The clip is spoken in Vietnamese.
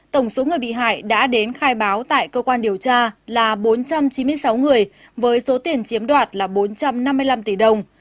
tổng số người bị hại đã đến khai báo tại cơ quan điều tra là bốn trăm chín mươi sáu người với số tiền chiếm đoạt là bốn trăm năm mươi năm tỷ đồng